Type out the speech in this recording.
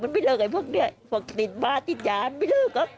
มันไม่เลือกไอ้พวกเนี้ยพวกติดบ้านติดว่านไม่เลือกครับ